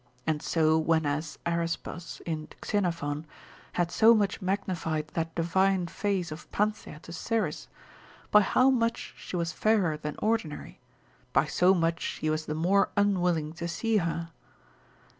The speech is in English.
And so when as Araspus, in Xenophon, had so much magnified that divine face of Panthea to Cyrus, by how much she was fairer than ordinary, by so much he was the more unwilling to see her.